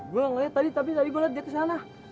beleng tapi tadi gue liat dia kesana